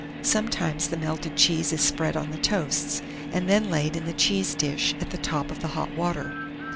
Sometimes the melted cheese is spread on the toasts, and then laid in the cheese dish at the top of the hot water.